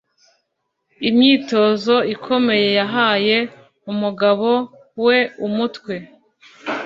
Imyitozo ikomeye yahaye umugabo we umutwe.